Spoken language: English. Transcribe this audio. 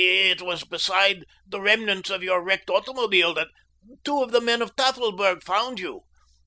It was beside the remnants of your wrecked automobile that two of the men of Tafelberg found you.